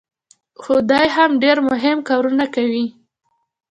خو دی هم ډېر مهم کارونه کوي.